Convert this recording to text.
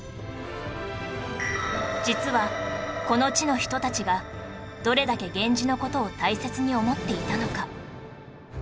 実はこの地の人たちがどれだけ源氏の事を大切に思っていたのか